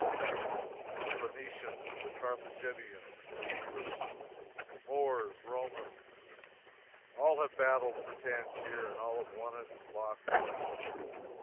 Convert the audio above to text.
The Phoenicians, the Carthagenians, the English, Moors, Romans, all have battled for Tangier all have won it and lost it.